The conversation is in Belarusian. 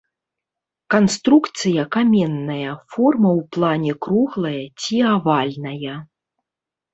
Канструкцыя каменная, форма ў плане круглая ці авальная.